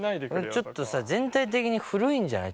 ちょっとさ全体的に古いんじゃない？